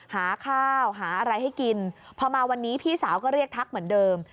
หาข้าวหาอะไรให้กินพอมาวันนี้พี่สาวก็เรียกทักเหมือนเดิม